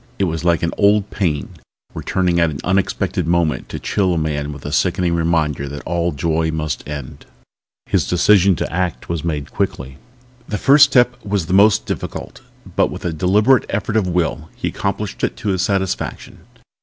It was like an old pain returning at an unexpected moment to chill a man with the sickening reminder that all joy must end. His decision to act was made quickly. The first step was the most difficult but with a deliberate effort of will he accomplished it to his satisfaction.